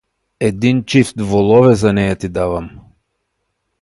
— Един чифт волове за нея ти давам.